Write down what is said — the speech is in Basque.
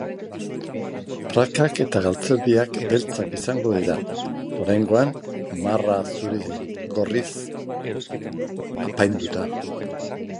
Prakak eta galtzerdiak beltzak izango dira, oraingoan, marra zuri-gorriz apainduta.